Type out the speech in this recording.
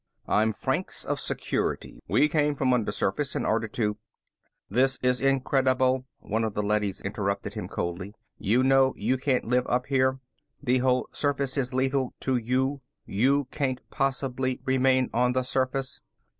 "I'm Franks of Security. We came from undersurface in order to " "This in incredible," one of the leadys interrupted him coldly. "You know you can't live up here. The whole surface is lethal to you. You can't possibly remain on the surface."